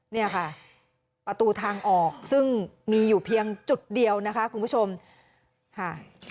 เนี่ยค่ะประตูทางออกซึ่งมีอยู่เพียงจุดเดียวนะคะคุณผู้ชมค่ะ